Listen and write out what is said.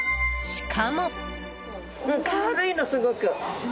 しかも。